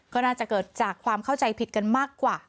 ก็น่าจะเกิดจากความเข้าใจผิดกันมากกว่า